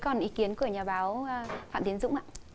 còn ý kiến của nhà báo phạm tiến dũng ạ